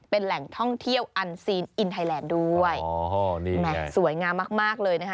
เป็นแหล่งท่องเที่ยวอันซีนอินไทยแลนด์ด้วยอ๋อนี่แหม่สวยงามมากมากเลยนะคะ